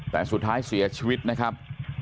แต่สุดท้ายเสียชีวิตนะครับ